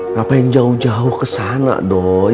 ngapain jauh jauh kesana doi